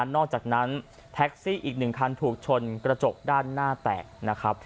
นอกจากนั้นแท็กซี่อีกหนึ่งคันถูกชนกระจกด้านหน้าแตก